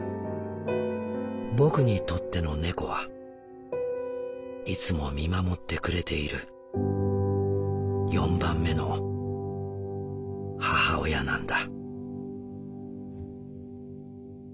僕にとっての猫はいつも見守ってくれている４番目の母親なんだ」。